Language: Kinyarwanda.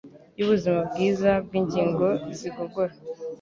y’ubuzima bwiza bw’ingingo z’igogora,